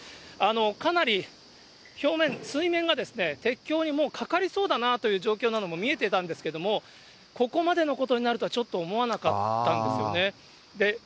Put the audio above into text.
かなり表面、水面が鉄橋にもうかかりそうだなという状況なのも見えてたんですけれども、ここまでのことになるとはちょっと思わなかったんですよね。